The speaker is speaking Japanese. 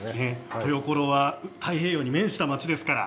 豊頃は太平洋に面していますからね。